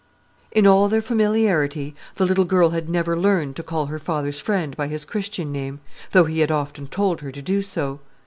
In all their familiarity the little girl had never learned to call her father's friend by his Christian name, though he had often told her to do so.